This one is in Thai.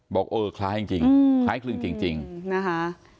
บอกเออคล้ายจริงคล้ายคลึงจริงนะคะ